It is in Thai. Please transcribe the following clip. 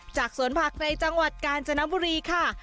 จากสวนผักในจังหวัดกาญจนบุรีค่ะ